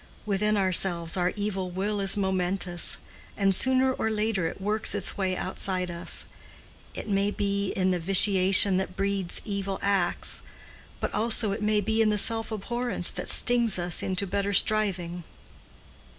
Within ourselves our evil will is momentous, and sooner or later it works its way outside us—it may be in the vitiation that breeds evil acts, but also it may be in the self abhorrence that stings us into better striving."